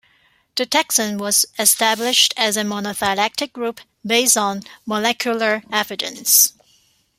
The taxon was established as a monophyletic group based on molecular evidence.